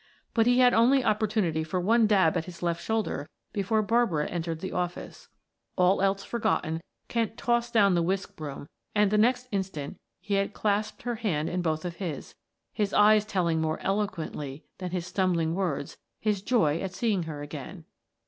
But he had only opportunity for one dab at his left shoulder before Barbara entered the office. All else forgotten, Kent tossed down the whisk broom and the next instant he had clasped her hand in both of his, his eyes telling more eloquently than his stumbling words, his joy at seeing her again.